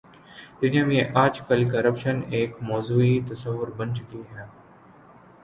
دنیا میں آج کل کرپشن ایک موضوعی تصور بن چکی ہے۔